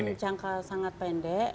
dalam jangka sangat pendek